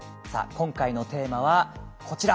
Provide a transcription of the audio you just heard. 今回のテーマはこちら！